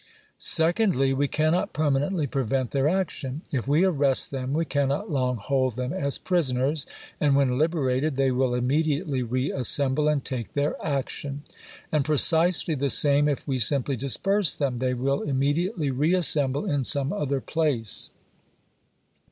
Secondly, we cannot permanently prevent their action. If we arrest them, we cannot long hold them as prisoners; and, when liberated, they will immediately reassemble and take their action. And precisely the same if we simply disperse them. They will immediately reassemble in some other place.